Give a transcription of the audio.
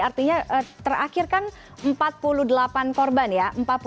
artinya terakhir kan empat puluh delapan korban ya